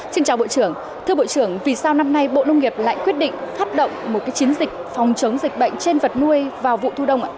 xin chào bộ trưởng thưa bộ trưởng vì sao năm nay bộ nông nghiệp lại quyết định thắt động một chiến dịch phòng chống dịch bệnh trên vật nuôi vào vụ thu đông ạ